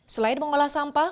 selain mengolah sampah